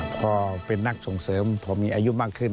พอเป็นนักส่งเสริมพอมีอายุมากขึ้น